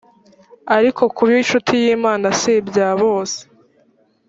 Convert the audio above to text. ariko kuba incuti y imana siibya bose